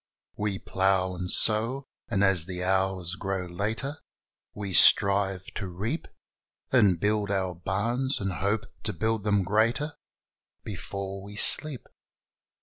We plough and sow, and, as the hours grow later, We strive to reap. And build our barns, and hope to build them greater Before we sleep.